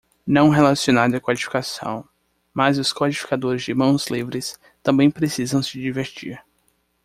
Não relacionado à codificação?, mas os codificadores de mãos livres também precisam se divertir.